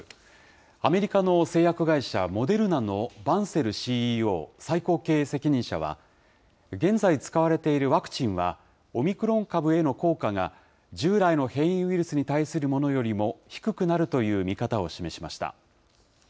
アメリカの製薬会社、モデルナのバンセルＣＥＯ・最高経営責任者は、現在使われているワクチンは、オミクロン株への効果が、従来の変異ウイルスに対するものよりも低くなるという見方を示しました。